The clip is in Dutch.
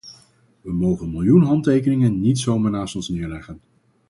We mogen een miljoen handtekeningen niet zomaar naast ons neerleggen.